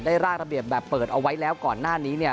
ร่างระเบียบแบบเปิดเอาไว้แล้วก่อนหน้านี้เนี่ย